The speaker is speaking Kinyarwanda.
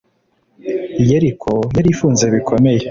yeriko yari ifunze bikomeye